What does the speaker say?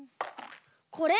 これ。